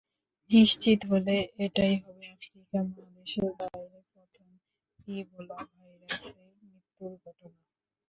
নিশ্চিত হলে এটাই হবে আফ্রিকা মহাদেশের বাইরে প্রথম ইবোলা ভাইরাসে মৃত্যুর ঘটনা।